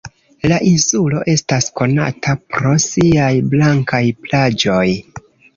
La insulo estas konata pro siaj blankaj plaĝoj.